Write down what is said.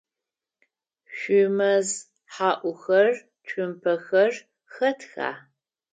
Шъуимэз хьаӏухэр, цумпэхэр хэтха?